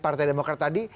partai demokrat tadi